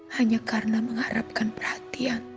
hanya karena mengharapkan perhatian